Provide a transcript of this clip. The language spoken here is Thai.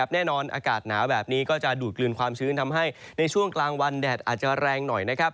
แน่นอนอากาศหนาวแบบนี้ก็จะดูดกลืนความชื้นทำให้ในช่วงกลางวันแดดอาจจะแรงหน่อยนะครับ